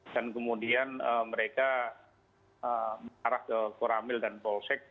dan kemudian mereka mengarah ke koramil dan polsor